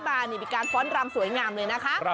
เป็นการฟ้อนรำสวยงามเลยนะคะ